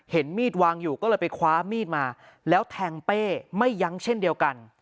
มีดวางอยู่ก็เลยไปคว้ามีดมาแล้วแทงเป้ไม่ยั้งเช่นเดียวกัน